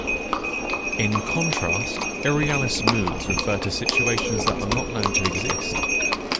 In contrast, irrealis moods refer to situations that are not known to exist.